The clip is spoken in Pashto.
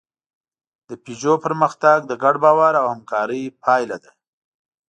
د پيژو پرمختګ د ګډ باور او همکارۍ پایله ده.